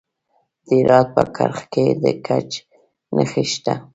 د هرات په کرخ کې د ګچ نښې شته.